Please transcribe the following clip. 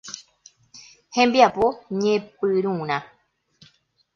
Hembiapo ñepyrũrã.